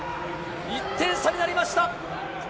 １点差になりました。